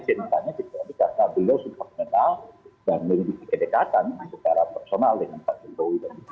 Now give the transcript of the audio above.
sebenarnya kita sudah sudah sudah kenal dan memiliki kedekatan secara personal dengan pak jokowi